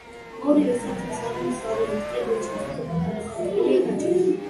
ორივე სართულის აღმოსავლეთ კედელში თითო პატარა სარკმელია გაჭრილი.